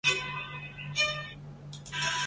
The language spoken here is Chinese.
该物种的模式产地在海南五指山。